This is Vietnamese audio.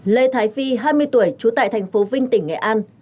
lê thái phi hai mươi tuổi trú tại thành phố vinh tỉnh nghệ an